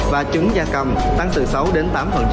và trứng gia cầm tăng từ sáu đến tám